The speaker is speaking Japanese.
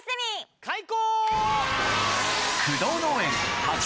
開講！